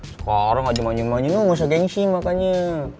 sekarang aja manjung manjung masa gengsi makanya